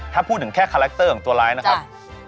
ถ้าพูดถึงแค่คาแรคเตอร์ของตัวร้ายนะครับ